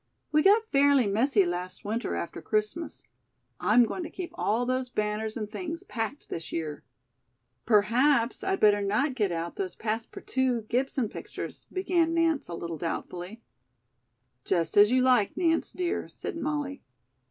We got fairly messy last winter after Christmas. I'm going to keep all those banners and things packed this year." "Perhaps I'd better not get out those passe partouted Gibson pictures," began Nance a little doubtfully. "Just as you like, Nance, dear," said Molly.